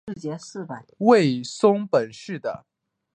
为松本市的。